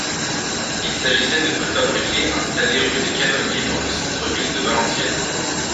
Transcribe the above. Il s'agissait de préfabriqués installés rue des Canonniers dans le centre-ville de Valenciennes.